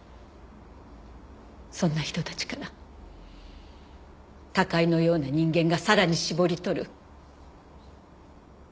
そんな人たちから高井のような人間がさらに搾り取る。